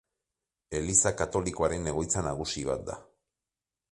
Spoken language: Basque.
Eliza Katolikoaren egoitza nagusi bat da.